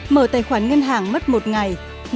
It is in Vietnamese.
bốn mở tài khoản ngân hàng mất một ngày